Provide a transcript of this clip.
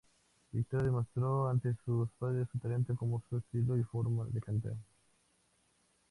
Viktoria demostró ante sus padres su talento, como su estilo o forma de cantar.